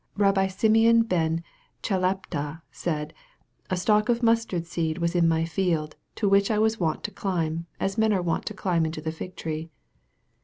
Rabbi Simeon Ben Chalapta said, " a stalk of mustard seed was in my field, into which I was wont to climb, as men are wont to climb into a fig tree."